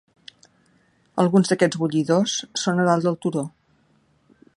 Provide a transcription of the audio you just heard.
Alguns d'aquests bullidors són a dalt del turó.